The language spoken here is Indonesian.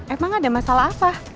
emang ada masalah apa